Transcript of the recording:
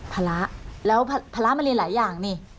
ภาระแล้วภาระมันเรียนหลายอย่างนี่